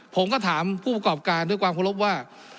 ผมก็ถามผู้ประกอบการด้วยความเคารพว่า